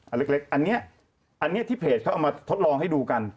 อันเล็กอันนี้อันนี้ที่เพจเขาเอามาทดลองให้ดูกัน